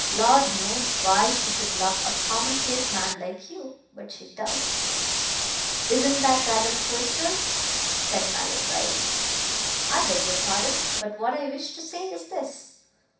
Lord knows why she should love a commonplace man like you, but she does." "Isn't that rather personal?" said Mallow dryly. "I beg your pardon. But what I wish to say is this.